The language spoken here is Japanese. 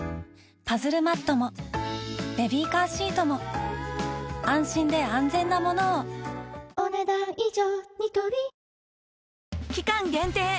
パズルマットもベビーカーシートも安心で安全なものをお、ねだん以上。